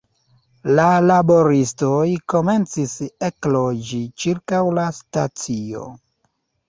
La laboristoj komencis ekloĝi ĉirkaŭ la stacio.